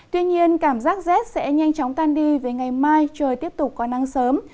tuy nhiên cảm giác rét sẽ nhanh chóng tan đi về ngày mai trời tiếp tục có nắng sớm